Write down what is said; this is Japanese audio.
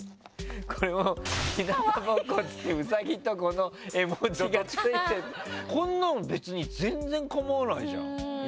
これもう日向ぼっこっつってウサギとこの絵文字がついてるのこんなの別に全然構わないじゃん。